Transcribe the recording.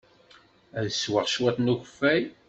Ad sweɣ cwiṭ n ukeffay.